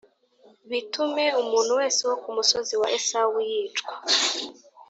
bitume umuntu wese wo ku musozi wa Esawu yicwa